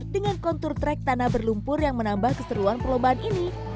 dengan kontur track tanah berlumpur yang menambah keseruan perlombaan ini